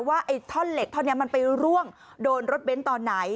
ว่าไอ้ท่อนเหล็กท่อนนี้มันไปร่วงโดนรถเบ้นตอนไหน